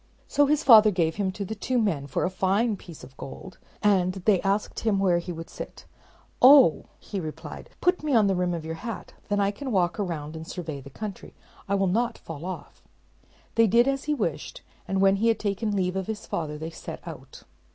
So his father gave him to the two men for a fine piece of gold; and they asked him where he would sit. "Oh," replied he, "put me on the rim of your hat; and then I can walk round and survey the country. I will not fall off." They did as he wished; and when he had taken leave of his father, they set out.